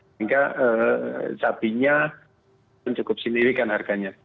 sehingga sapinya cukup sendiri kan harganya